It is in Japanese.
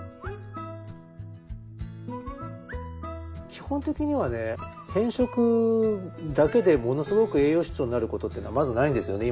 基本的にはね偏食だけでものすごく栄養失調になることっていうのはまずないんですよね